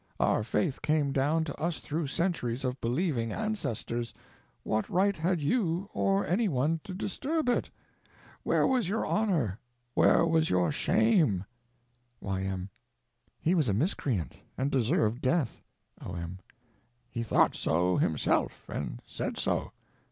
Our faith came down to us through centuries of believing ancestors; what right had you, or any one, to disturb it? Where was your honor, where was your shame_?" Y.M. He was a miscreant, and deserved death! O.M. He thought so himself, and said so.